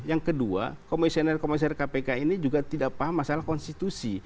yang kedua komisioner komisioner kpk ini juga tidak paham masalah konstitusi